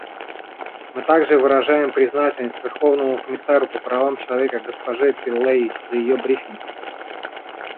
Мы также выражаем признательность Верховному комиссару по правам человека госпоже Пиллэй за ее брифинг.